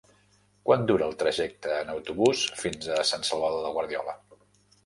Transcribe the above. Quant dura el trajecte en autobús fins a Sant Salvador de Guardiola?